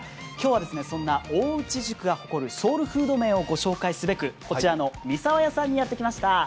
今日はそんな大内宿が誇るソウルフード麺をご紹介すべくこちらの三澤屋さんにやってきました。